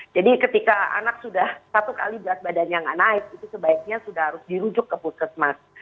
jadi ketika anak sudah satu kali berat badannya tidak naik itu sebaiknya sudah harus dirujuk ke pusat mas